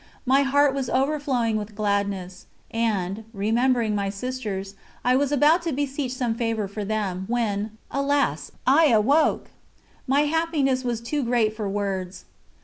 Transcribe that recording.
My heart was overflowing with gladness, and, remembering my Sisters, I was about to beseech some favour for them, when, alas! I awoke. My happiness was too great for words.